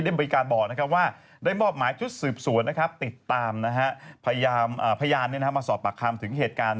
บริการบอกว่าได้มอบหมายชุดสืบสวนติดตามพยานมาสอบปากคำถึงเหตุการณ์